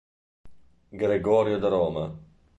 Gregorio da Roma